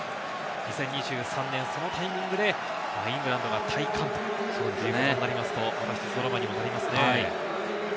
２０２３年、そのタイミングでイングランドが戴冠ということになりますと、１つドラマにもなりますね。